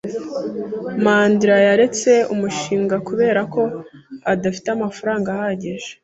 Mandera yaretse umushinga kubera ko adafite amafaranga ahagije.